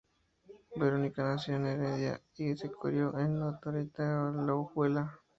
Verónica nació en Heredia y se crio en Orotina, Alajuela.